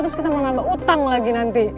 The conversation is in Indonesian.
terus kita mau nambah utang lagi nanti